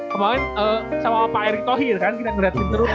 kemarin sama pak erick thohir kan kita ngeliatin terus